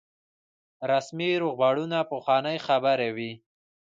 رسمي روغبړونه پخوانۍ خبرې وي.